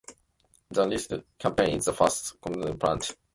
"The Risus Companion" is the first commercial supplement of "Risus".